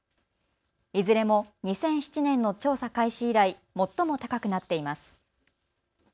いずれも２００７年の調査開始以来、最も高くなっています。